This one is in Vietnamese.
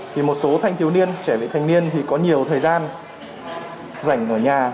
thì một số thanh thiếu niên trẻ vị thành niên thì có nhiều thời gian rảnh ở nhà